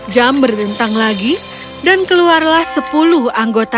jam berdentang lagi dan keluarlah sepuluh anggota